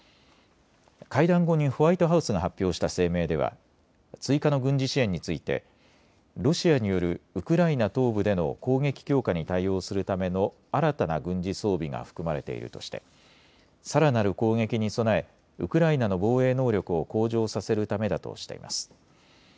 会談後にホワイトハウスが発表した声明では追加の軍事支援についてロシアによるウクライナ東部での攻撃強化に対応するための新たな軍事装備が含まれているとしてさらなる攻撃に備えウクライナの防衛能力を向上させるためだとしています。